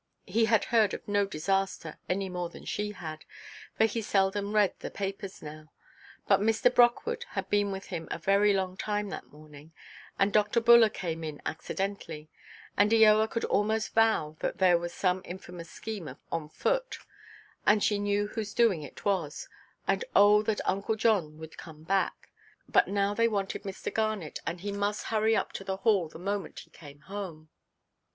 He had heard of no disaster, any more than she had, for he seldom read the papers now; but Mr. Brockwood had been with him a very long time that morning, and Dr. Buller came in accidentally; and Eoa could almost vow that there was some infamous scheme on foot, and she knew whose doing it was; and oh that Uncle John would come back! But now they wanted Mr. Garnet, and he must hurry up to the Hall the moment he came home.